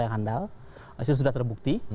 yang handal itu sudah terbukti